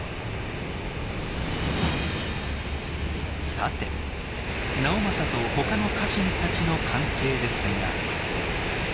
さて直政とほかの家臣たちの関係ですが。